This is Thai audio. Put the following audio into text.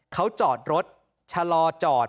เขาจอดรถชะลอจอด